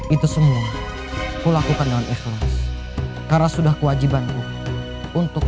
itu semua kulakukan dengan ikhlas karena sudah kewajibanku untuk